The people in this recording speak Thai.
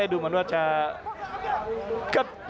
อัศวินาศาสตร์